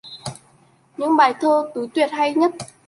Những bài thơ tứ tuyệt hay nhất